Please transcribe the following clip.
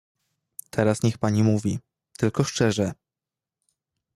"Teraz niech pani mówi, tylko szczerze!"